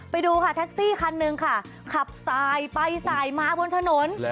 ไปดูค่ะแท็กซี่คันหนึ่งค่ะขับสายไปสายมาบนถนน